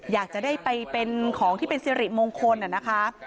อยากจะได้ไปเป็นของที่เป็นสิริมงคลนะคะ